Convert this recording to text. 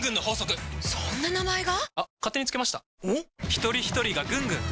ひとりひとりがぐんぐん！